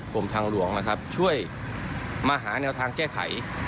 กรมทางหลวงนะครับช่วยมาหาแนวทางแก้ไข